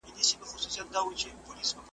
چرګ چي ځوان سي پر بام ورو ورو ځي ,